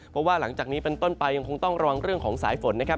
เพราะว่าหลังจากนี้เป็นต้นไปยังคงต้องระวังเรื่องของสายฝนนะครับ